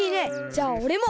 じゃあおれも！